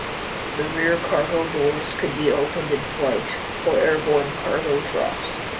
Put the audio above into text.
The rear cargo doors could be opened in flight for airborne cargo drops.